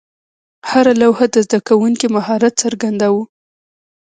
هره لوحه د زده کوونکي مهارت څرګنداوه.